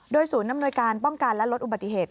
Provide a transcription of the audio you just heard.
ศูนย์อำนวยการป้องกันและลดอุบัติเหตุ